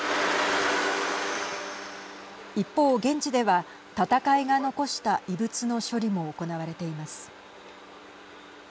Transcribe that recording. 一方、現地では戦いが残した遺物の処理も行われています。